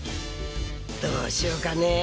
どうしようかねぇ。